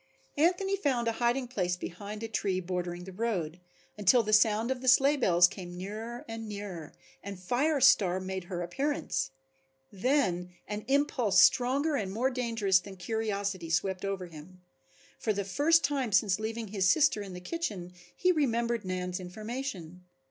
Anthony found a hiding place behind a tree bordering the road, until the sound of the sleigh bells came nearer and nearer, and Fire Star made her appearance. Then an impulse stronger and more dangerous than curiosity swept over him. For the first time since leaving his sister in the kitchen he remembered Nan's information.